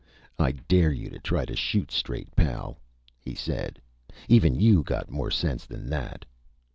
"I dare you to try to shoot straight, pal," he said. "Even you got more sense than that."